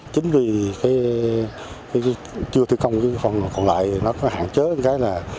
chính vì chưa thi công phòng còn lại nó hạn chế một cái là